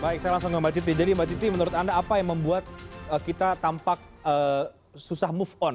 baik saya langsung ke mbak citi jadi mbak citi menurut anda apa yang membuat kita tampak susah move on